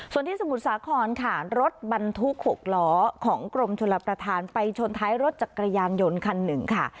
ส่วนที่สมุทรสาครค่ะรถบรรทุก๖ล้อของกรมชลประธานไปชนท้ายรถจักรยานยนต์คันหนึ่งค่ะ